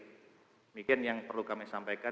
demikian yang perlu kami sampaikan